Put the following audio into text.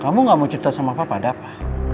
kamu gak mau cerita sama papa ada apa